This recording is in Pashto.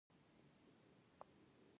د تخار په ینګي قلعه کې څه شی شته؟